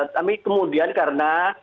tapi kemudian karena